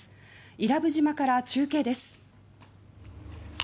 伊良部島から中継です。